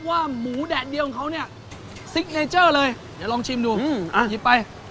ว่าหมูแดดเดียวของเขาเนี้ยเลยเดี๋ยวลองชิมดูอืมอ่ะหยิบไป